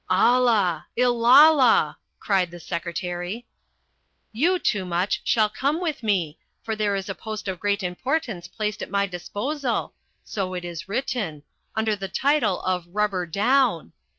"Allah! Illallah!" cried the secretary. "You, Toomuch, shall come with me, for there is a post of great importance placed at my disposal so it is written under the title of Rubber Down.